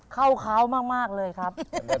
เข้าเขามากเลยครับ